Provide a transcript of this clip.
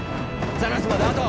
ザナスまであと？